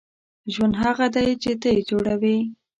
• ژوند هغه دی چې ته یې جوړوې.